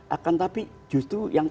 akan tetapi justru yang